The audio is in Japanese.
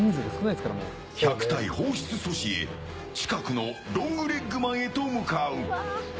１００体放出阻止へ近くのロングレッグマンへ向かう。